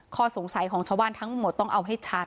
ข้อสงสัยของชาวบ้านทั้งหมดต้องเอาให้ชัด